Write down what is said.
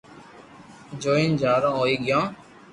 جوئين حآرون ھوئي گيو